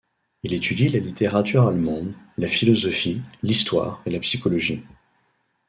Il étudie la littérature allemande, la philosophie, l'histoire et la psychologie.